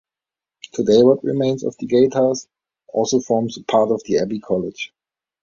Today what remains of the gatehouse also forms a part of the Abbey College.